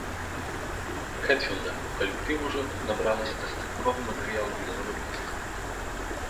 Хэтфілда, у калектыву ўжо набралася дастаткова матэрыялу для новай пласцінкі.